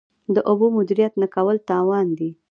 د اوبو مدیریت نه کول تاوان دی.